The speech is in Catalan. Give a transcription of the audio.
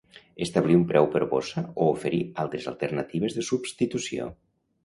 Establir un preu per bossa o oferir altres alternatives de substitució.